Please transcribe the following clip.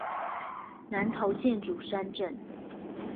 南投縣竹山鎮